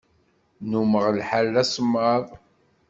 Nnummeɣ lḥal asemmaḍ.